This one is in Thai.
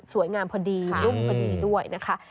งามพอดีนุ่มพอดีด้วยนะคะ